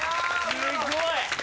すごい！